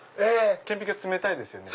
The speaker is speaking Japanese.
顕微鏡冷たいですよね。